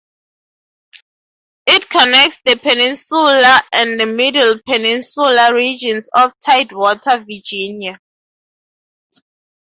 It connects the Peninsula and Middle Peninsula regions of Tidewater, Virginia.